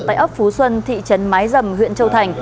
tại ấp phú xuân thị trấn mái dầm huyện châu thành